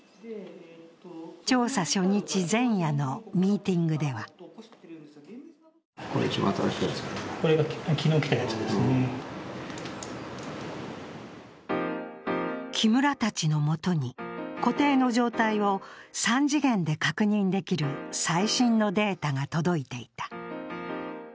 調査初日前夜のミーティングでは木村たちのもとに、湖底の状態を３次元で確認できる最新のデータが届いていた。